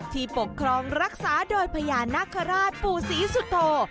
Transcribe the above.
ที่ปกครองรักษาโดยพญานาคาราชปู่ศรีสุโธ